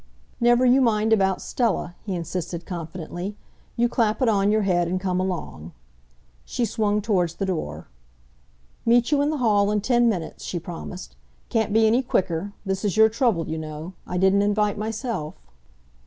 "Never you mind about Stella," he insisted confidently. "You clap it on your head and come along." She swung towards the door. "Meet you in the hall in ten minutes," she promised. "Can't be any quicker. This is your trouble, you know. I didn't invite myself."